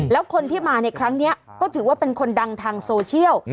แล้วคนที่มาในครั้งนี้ก็ถือว่าเป็นคนดังทางโซเชียล